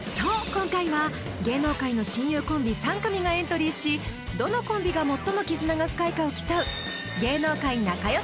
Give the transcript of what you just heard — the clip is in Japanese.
今回は芸能界の親友コンビ３組がエントリーしどのコンビが最も絆が深いかを競うを開催